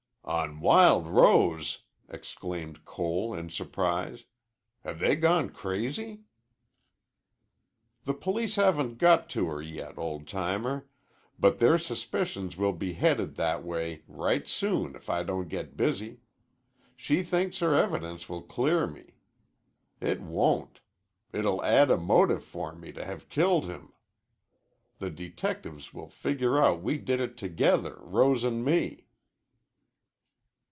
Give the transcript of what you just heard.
"On Wild Rose!" exclaimed Cole, in surprise. "Have they gone crazy?" "The police haven't got to her yet, old timer. But their suspicions will be headed that way right soon if I don't get busy. She thinks her evidence will clear me. It won't. It'll add a motive for me to have killed him. The detectives will figure out we did it together, Rose an' me."